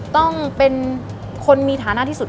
ต้องเป็นคนมีฐานะที่สุด